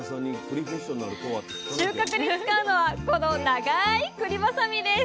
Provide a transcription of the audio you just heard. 収穫に使うのはこの長いくりバサミです